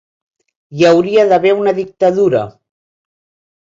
Hi hauria d'haver una dictadura